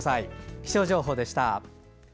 気象情報でした。